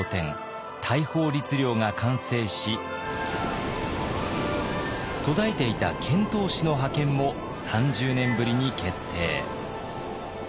大宝律令が完成し途絶えていた遣唐使の派遣も３０年ぶりに決定。